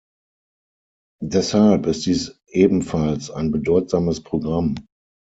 Deshalb ist dies ebenfalls ein bedeutsames Programm.